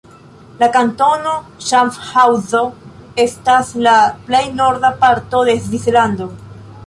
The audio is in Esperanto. La kantono Ŝafhaŭzo estas la plej norda parto de Svislando.